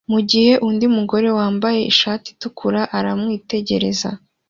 mugihe undi mugore wambaye ishati itukura aramwitegereza